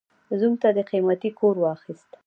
زوم ته دې قيمتي کور واخيست.